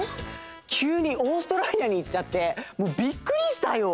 きゅうにオーストラリアに行っちゃってもうびっくりしたよ！